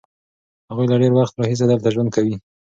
هغوی له ډېر وخت راهیسې دلته ژوند کوي.